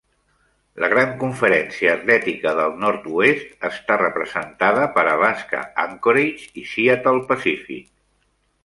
La Gran Conferència Atlètica del Nord-oest està representada per Alaska-Anchorage i Seattle Pacific.